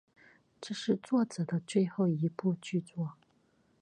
这是作者的最后一部剧作。